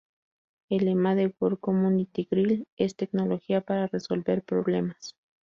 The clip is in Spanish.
El lema de "World Community Grid" es "Tecnología para resolver problemas".